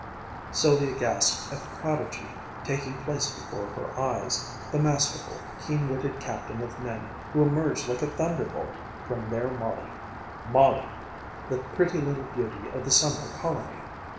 Sylvia gasped at the prodigy taking place before her eyes, the masterful, keen witted captain of men who emerged like a thunderbolt from their Molly Molly, the pretty little beauty of the summer colony!